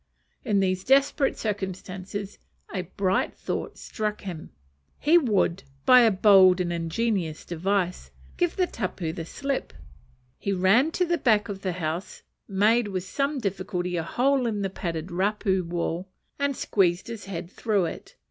In these desperate circumstances a bright thought struck him: he would, by a bold and ingenious device, give the tapu the slip. He ran to the back of the house, made with some difficulty a hole in the padded raupo wall, and squeezed his head through it.